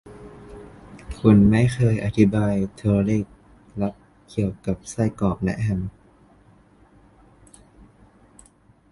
คุณไม่เคยอธิบายโทรเลขลับเกี่ยวกับไส้กรอกและแฮม